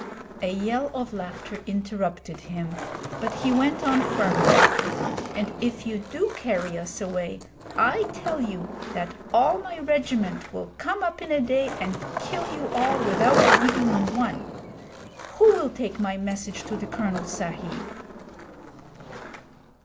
A yell of laughter interrupted him, but he went on firmly 'And if you do carry us away, I tell you that all my regiment will come up in a day and kill you all without leaving one. Who will take my message to the Colonel Sahib?'